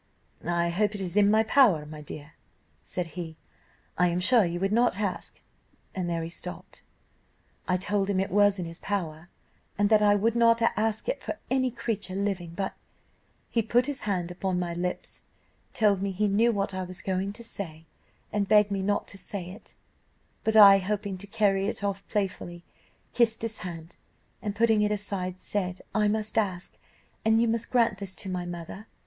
"'I hope it is in my power, my dear,' said he; 'I am sure you would not ask ' and there he stopped. "I told him it was in his power, and that I would not ask it for any creature living, but ' He put his hand upon my lips, told me he knew what I was going to say, and begged me not to say it; but I, hoping to carry it off playfully, kissed his hand, and putting it aside said, 'I must ask, and you must grant this to my mother.